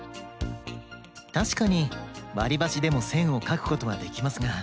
たしかにわりばしでもせんをかくことはできますが。